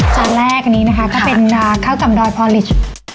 จานแรกอันนี้นะคะก็เป็นข้าวกำดอยพอลิช